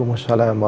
omo juga kangen